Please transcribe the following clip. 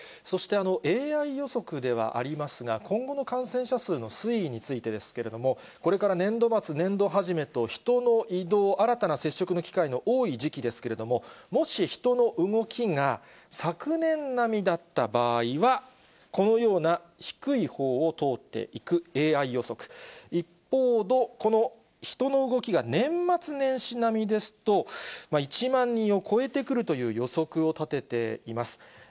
そして、ＡＩ予測ではありますが、今後の感染者数の推移についてですけれども、これから年度末、年度始めと、人の移動、新たな接触の機会の多い時期ですけれども、もし、人の動きが昨年並みだった場合は、このような低いほうを通っていくＡＩ予測、一方のこの人の動きが年末年始並みですと、１万人を超えてくるという予測を立てています。